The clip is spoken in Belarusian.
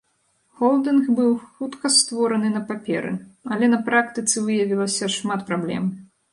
Холдынг быў хутка створаны на паперы, але на практыцы выявілася шмат праблем.